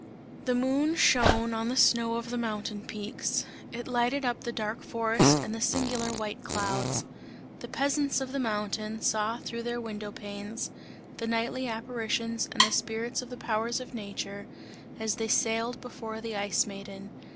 The moon shone on the snow of the mountain peaks; it lighted up the dark forest and the singular white clouds; the peasants of the mountain, saw through their window panes, the nightly apparitions and the spirits of the powers of nature, as they sailed before the Ice Maiden.